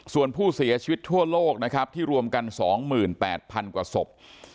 ส่วนผู้เสียชีวิตทั่วโลกนะครับที่รวมกัน๒๘๐๐๐กว่าศพ